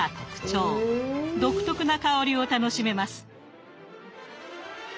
独特な香りを楽しめます。